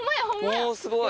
おすごい！